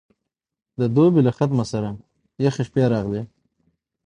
د دوبي له ختمه سره یخې شپې راغلې.